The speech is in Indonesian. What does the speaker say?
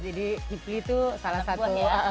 jadi ipli itu salah satu